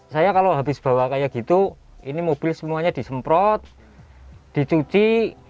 saya kalau habis bawa kayak gitu ini mobil semuanya disemprot dicuci